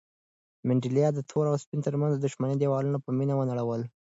منډېلا د تور او سپین تر منځ د دښمنۍ دېوالونه په مینه ونړول.